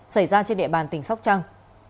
xảy ra trên địa bàn tỉnh sóc trăng